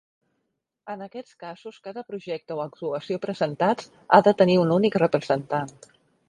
En aquests casos cada projecte o actuació presentats ha de tenir un únic representant.